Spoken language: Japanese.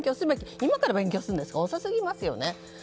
今から勉強するなんて遅すぎますね。